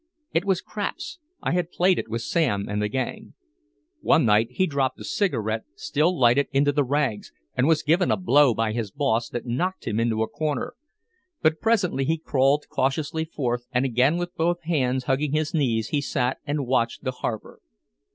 It was "craps," I had played it with Sam and the gang. One night he dropped a cigarette still lighted into the rags and was given a blow by his boss that knocked him into a corner. But presently he crawled cautiously forth, and again with both hands hugging his knees he sat and watched the harbor.